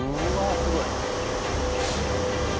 すごい！